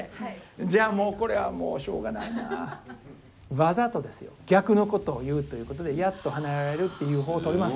じゃあもうこれはもうしょうがないな。わざとですよ逆のことを言うということで「やっと離れられる」っていう方をとります。